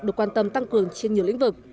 được quan tâm tăng cường trên nhiều lĩnh vực